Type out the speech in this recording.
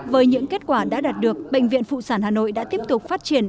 với những kết quả đã đạt được bệnh viện phụ sản hà nội đã tiếp tục phát triển